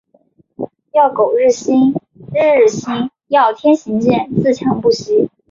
要苟日新，日日新。要天行健，自强不息。